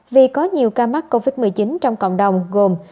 vì có nhiều ca mắc covid một mươi chín trong cộng đồng gồm